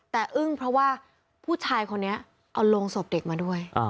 แต่อึ้งเพราะว่าผู้ชายคนนี้เอาโรงศพเด็กมาด้วย